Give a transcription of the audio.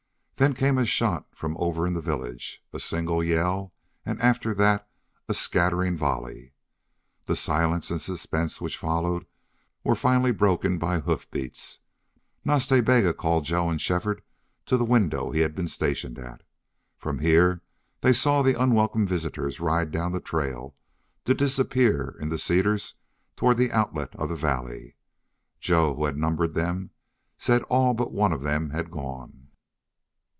Then came a shot from over in the village, a single yell, and, after that, a scattering volley. The silence and suspense which followed were finally broken by hoof beats. Nas Ta Bega called Joe and Shefford to the window he had been stationed at. From here they saw the unwelcome visitors ride down the trail, to disappear in the cedars toward the outlet of the valley. Joe, who had numbered them, said that all but one of them had gone.